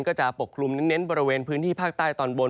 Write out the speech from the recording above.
ปกคลุมเน้นบริเวณพื้นที่ภาคใต้ตอนบน